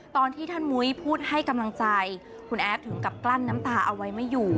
ตอนที่ท่านมุ้ยพูดให้กำลังใจคุณแอฟถึงกับกลั้นน้ำตาเอาไว้ไม่อยู่